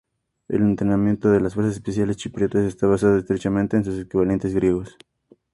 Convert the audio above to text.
El entrenamiento de las Fuerzas Especiales Chipriotas está basado estrechamente en sus equivalentes griegos.